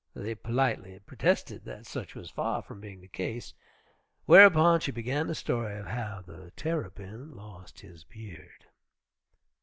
They politely protested that such was far from being the case, whereupon she began the story of how the Terrapin lost his beard.